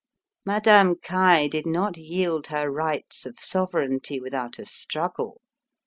Madame Caille did not yield her rights of sovereignty without a struggle.